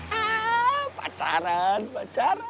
hahaha pacaran pacaran